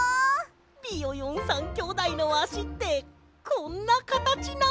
ビヨヨン３きょうだいのあしってこんなかたちなんだ。